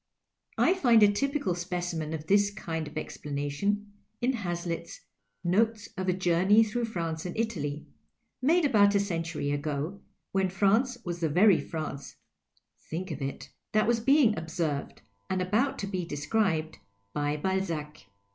I find a typical specimen of this kind of explana tion in Hazlitt's " Notes of a Journey through France and Italy,*' made about a century ago, when France was the very France (think of it !) that was being observed, and about to be described, by Balzac.